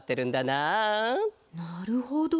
なるほど。